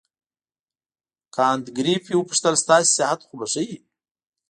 کانت ګریفي وپوښتل ستاسې صحت خو به ښه وي.